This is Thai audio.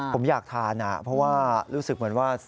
ผมอยากทานเพราะว่ารู้สึกเหมือนว่า